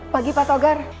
pagi pak togar